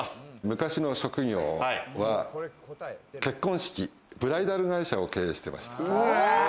昔の職業は結婚式、ブライダル会社を経営してました。